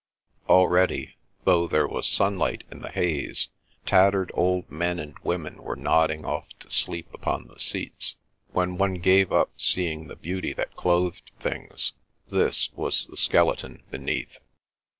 Already, though there was sunlight in the haze, tattered old men and women were nodding off to sleep upon the seats. When one gave up seeing the beauty that clothed things, this was the skeleton beneath.